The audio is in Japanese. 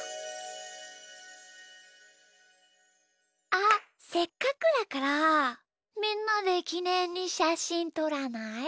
あっせっかくだからみんなできねんにしゃしんとらない？